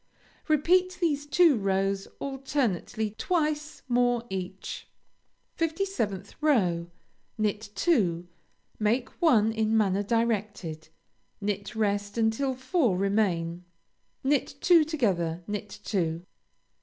Repeat these two rows alternately twice more each. 57th row Knit two; make one in manner directed; knit rest until four remain; knit two together; knit two.